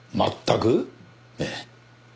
ええ。